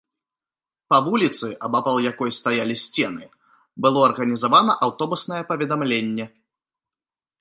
Па вуліцы, абапал якой стаялі сцены, было арганізавана аўтобуснае паведамленне.